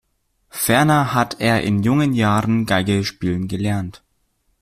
Ferner hat er in jungen Jahren Geige spielen gelernt.